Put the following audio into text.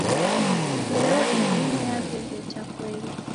Mbeo idime yaw'ew'eta kweli